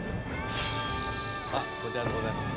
あこちらでございます。